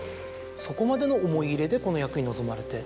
そこまでの思い入れでこの役に臨まれて。